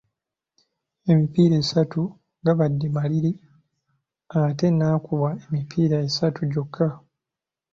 Emipiira esatu gabadde maliri ate n'akubwa emipiira esatu gyokka.